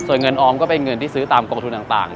ส่วนเงินออมก็เป็นเงินที่ซื้อตามกองทุนต่าง